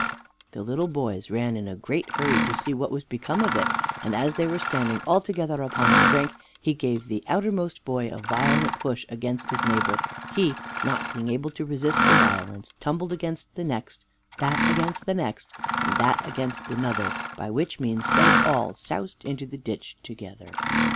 The little boys ran in a great hurry to see what was become of it, and as they were standing all together upon the brink he gave the outermost boy a violent push against his neighbor; he, not being able to resist the violence, tumbled against the next, that against the next, and that next against another, by which means they all soused into the ditch together.